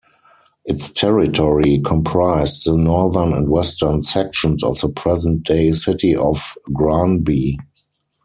Its territory comprised the northern and western sections of the present-day City of Granby.